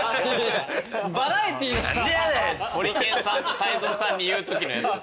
ホリケンさんと泰造さんに言うときのやつ。